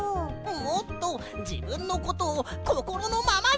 もっとじぶんのことをこころのままにいうんだよ！